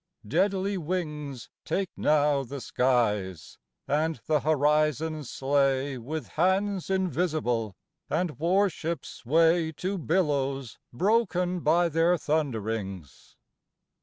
Deadly wings Take now the skies, and the horizons slay With hands invisible, and warships sway To billows broken by their thunderings.